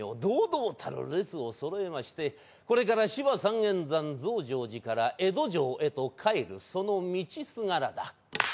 堂々たる列をそろえましてこれから芝三縁山増上寺から江戸城へと帰るその道すがらだ。